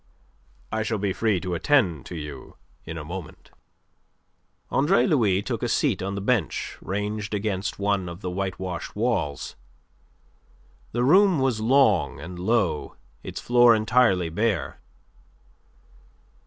I shall be free to attend to you in a moment." Andre Louis took a seat on the bench ranged against one of the whitewashed walls. The room was long and low, its floor entirely bare.